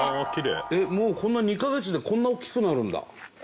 えっもうこんな２か月でこんな大きくなるんだ。